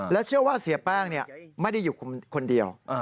เชื่อว่าเสียแป้งไม่ได้อยู่คนเดียว